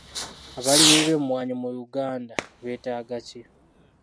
Abalimi b'emmwanyi mu Uganda beetaaga ki?